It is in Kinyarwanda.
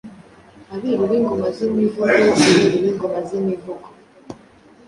Abiru b’Ingoma z’Imivugo abiru b’Ingoma z’Imivugo